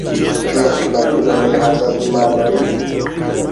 Ĉu la knabino ne havas manojn?